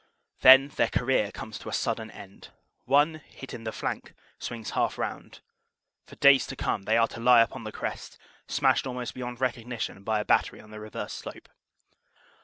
Then their career comes to a sudden end. One, hit in the flank, swings half round. For days to come they are to lie upon the crest, smashed almost beyond recognition by a battery on the reverse slope.